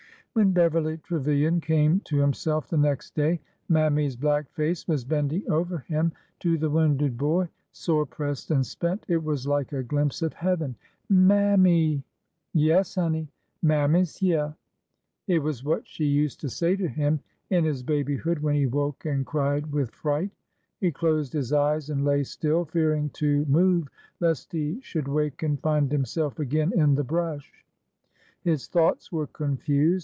When Beverly Trevilian came to himself the next day. Mammy's black face was bending over him. To the wounded boy, sore pressed and spent, it was like a glimpse of heaven. Mammy!" Yes, honey. Mammy 's hyeah." It was what she used to say to him in his babyhood when he woke and cried with fright. He closed his eyes and lay still, fearing to move lest he should wake and find himself again in the brush. His thoughts were confused.